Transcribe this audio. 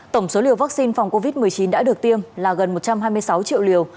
tổng số liều vaccine phòng covid một mươi chín đã được tiêm là gần một trăm hai mươi sáu triệu liều